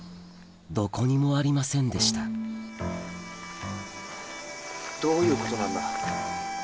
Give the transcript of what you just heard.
どこにもありませんでしたどういうことなんだ？